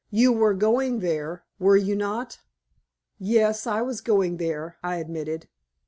You were going there, were you not?" "Yes, I was going there," I admitted.